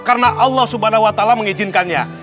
karena allah swt mengizinkannya